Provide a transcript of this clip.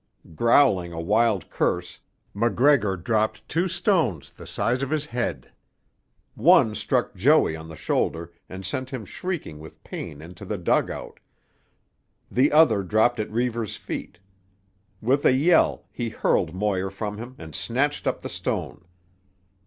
Growling a wild curse, MacGregor dropped two stones the size of his head. One struck Joey on the shoulder and sent him shrieking with pain into the dugout; the other dropped at Reivers' feet. With a yell he hurled Moir from him and snatched up the stone.